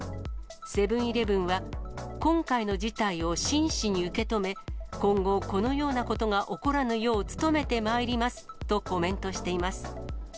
セブンーイレブンは、今回の事態を真摯に受け止め、今後、このようなことが起こらぬよう努めてまいりますとコメントしています。